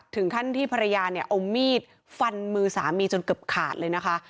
ถึงขั้นที่ภรรยาเนี่ยเอามีดฟันมือสามีจนเกือบขาดเลยนะคะ